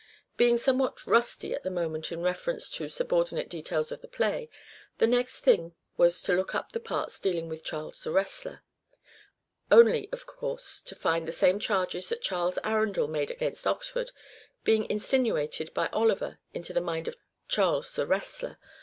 Being somewhat " rusty " at the moment in reference to subordinate details in the play, the next thing was to look up the parts dealing with Charles the wrestler ; only, of course, to find the same charges that Charles Arundel made against Oxford being insinuated by Oliver into the mind of Charles the wrestler.